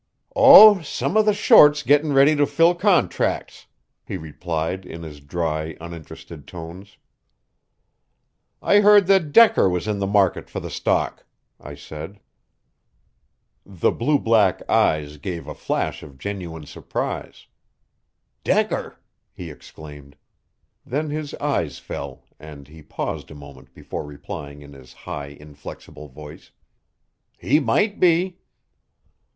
"Oh, some of the shorts getting ready to fill contracts," he replied in his dry, uninterested tones. "I heard that Decker was in the market for the stock," I said. The blue black eyes gave a flash of genuine surprise. "Decker!" he exclaimed. Then his eyes fell, and he paused a moment before replying in his high inflexible voice. "He might be."